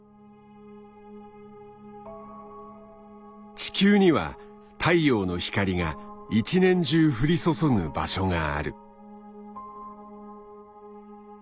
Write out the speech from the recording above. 地球には太陽の光が一年中降り注ぐ場所がある。